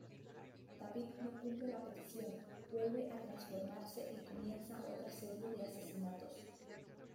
David no cumple la petición, vuelve a transformarse y comienza otra serie de asesinatos.